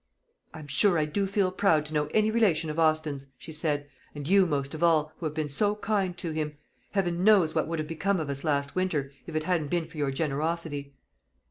"I'm sure I do feel proud to know any relation of Austin's," she said, "and you most of all, who have been so kind to him. Heaven knows what would have become of us last winter, if it hadn't been for your generosity."